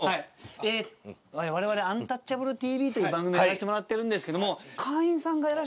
ええ我々「アンタッチャブるＴＶ」という番組をやらしてもらってるんですけども。